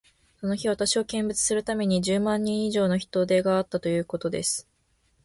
その日、私を見物するために、十万人以上の人出があったということです。